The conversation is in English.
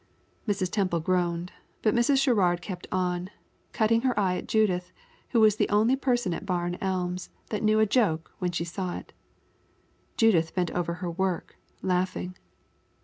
Mrs. Temple groaned, but Mrs. Sherrard kept on, cutting her eye at Judith, who was the only person at Barn Elms that knew a joke when she saw it. Judith bent over her work, laughing.